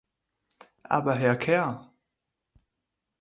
Aber, Herr Kerr!